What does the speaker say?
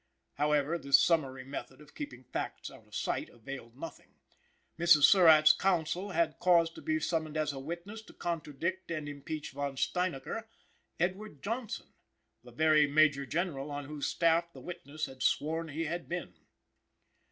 However, this summary method of keeping facts out of sight availed nothing. Mrs. Surratt's counsel had caused to be summoned as a witness, to contradict and impeach Von Steinacker, Edward Johnson, the very Major General on whose staff the witness had sworn he had been.